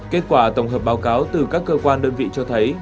kết quả tổng hợp báo cáo từ các cơ quan đơn vị cho thấy